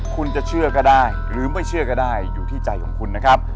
คุณจะเชื่อก็ได้หรือไม่เชื่อก็ได้อยู่ที่ใจของคุณนะครับ